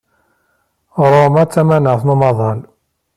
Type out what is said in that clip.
Roma d tamaneɣt n umaḍal.